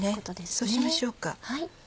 そうしましょうか。